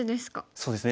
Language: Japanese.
そうですね。